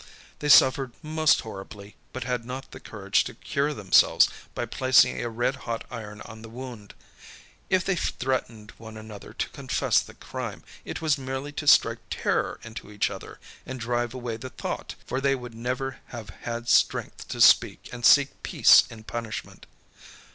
They suffered most horribly, but had not the courage to cure themselves by placing a red hot iron on the wound. If they threatened one another to confess the crime, it was merely to strike terror into each other and drive away the thought, for they would never have had strength to speak and seek peace in punishment.